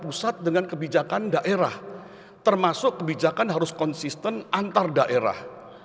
pusat dengan kebijakan daerah termasuk kebijakan harus konsisten antar daerah